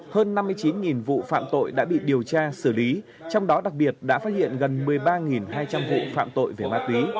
hơn năm mươi chín vụ phạm tội đã bị điều tra xử lý trong đó đặc biệt đã phát hiện gần một mươi ba hai trăm linh vụ phạm tội về ma túy